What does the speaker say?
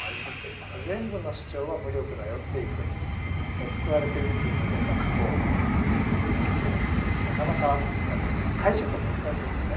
全部の主張は無力だよというふうに。で救われてるというので何かこうなかなか解釈が難しいですね。